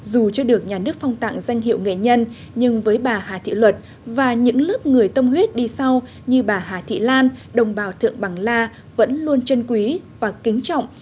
dù chưa được nhà nước phong tặng danh hiệu nghệ nhân nhưng với bà hà thị luật và những lớp người tâm huyết đi sau như bà hà thị lan đồng bào thượng bằng la vẫn luôn chân quý và kính trọng